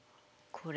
これ？